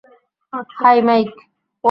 High, mic!